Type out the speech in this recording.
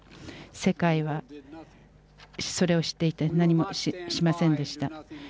世界はそれを知っていて何もしませんでした。